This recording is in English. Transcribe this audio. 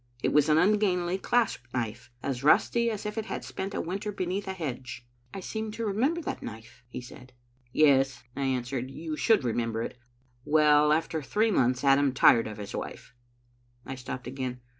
It was an ungainly clasp knife, as rusty as if it had spent a winter beneath a hedge. " I seem to remember that knife," he said. "Yes," I answered, you should remember it. Well, after three months Adam tired of his wife." I stopped again.